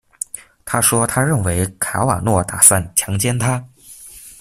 她说她认为卡瓦诺打算强奸她。